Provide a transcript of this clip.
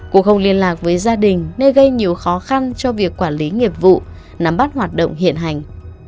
cô không liên lạc với gia đình nên gây nhiều khó khăn cho việc quản lý nghiệp vụ nắm bắt hoạt động hiện hành